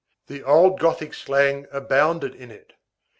The old Gothic slang abounded in it.